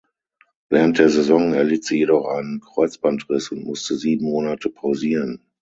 Während der Saison erlitt sie jedoch einen Kreuzbandriss und musste sieben Monate pausieren.